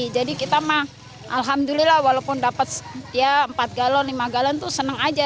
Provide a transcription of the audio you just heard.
jadi kita mah alhamdulillah walaupun dapat ya empat galon lima galon tuh seneng aja